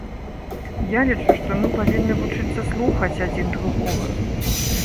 Я лічу, што мы павінны вучыцца слухаць адзін другога.